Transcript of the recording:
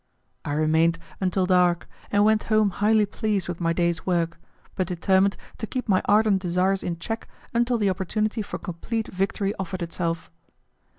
I remained until dark and went home highly pleased with my day's work, but determined to keep my ardent desires in check until the opportunity for complete victory offered itself.